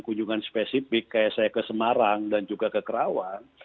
kunjungan spesifik kayak saya ke semarang dan juga ke kerawang